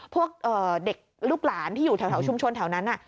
พวกเด็กลูกหลานที่อยู่แถวชุมชนแถวนั้น